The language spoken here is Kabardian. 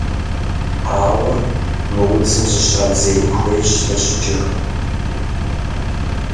Ауэ мы удзым зыщадзеин хуейщ лъэщыджэхэм.